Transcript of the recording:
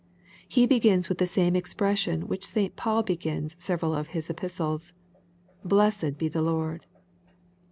He begins with the same expression with which St. Paul begins several of his epistles :" Blessed be the Lord."